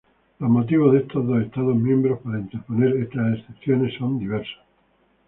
Los motivos de estos dos Estados miembros para interponer estas excepciones son diversos.